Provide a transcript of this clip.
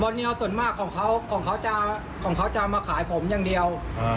บอร์เนียลส่วนมากของเขาของเขาจะของเขาจะมาขายผมอย่างเดียว